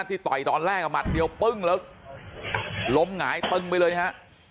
ต่อยตอนแรกหมัดเดียวปึ้งแล้วล้มหงายตึงไปเลยนะฮะ